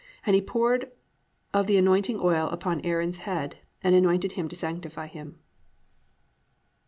And he poured of the anointing oil upon Aaron's head and anointed him to sanctify him."